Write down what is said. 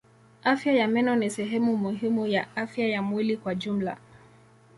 Afya ya meno ni sehemu muhimu ya afya ya mwili kwa jumla.